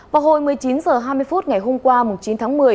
vào hồi một mươi chín h hai mươi phút ngày hôm qua chín tháng một mươi